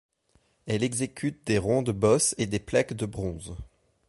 Elle exécute des ronde-bosses et des plaques de bronze.